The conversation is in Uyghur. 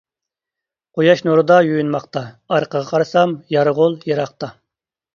قۇياش نۇرىدا يۇيۇنماقتا، ئارقىغا قارىسام يارغول يىراقتا.